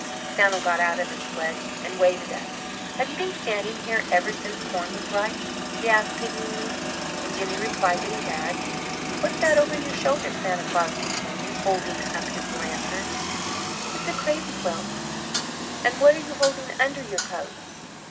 Santa got out of his sledge and waded up. "Have you been standing here ever since corn was ripe?" he asked pityingly, and Jimmy replied that he had. "What's that over your shoulders?" Santa Claus continued, holding up his lantern. "It's a crazy quilt." "And what are you holding under your coat?"